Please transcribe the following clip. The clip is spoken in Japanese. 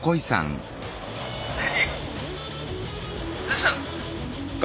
「何？」。